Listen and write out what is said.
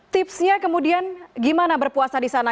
tipsnya kemudian gimana berpuasa di sana